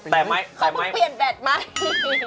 แต่ไมค์แต่ไมค์